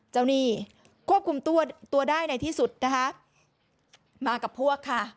หนี้ควบคุมตัวตัวได้ในที่สุดนะคะมากับพวกค่ะ